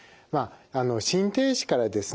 心停止からですね